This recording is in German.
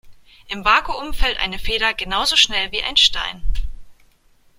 Im Vakuum fällt eine Feder genauso schnell wie ein Stein.